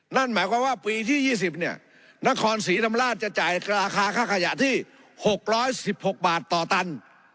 นั่นหมายความว่าปีที่๒๐เนี่ยนครศรีธรรมราชจะจ่ายราคาค่าขยะที่๖๑๖บาทต่อตัน